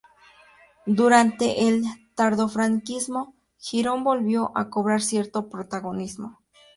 Durante el tardofranquismo, Girón volvió a cobrar cierto protagonismo.